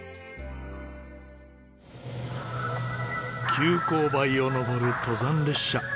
急勾配を登る登山列車。